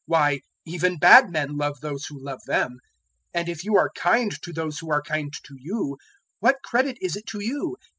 Why, even bad men love those who love them. 006:033 And if you are kind to those who are kind to you, what credit is it to you?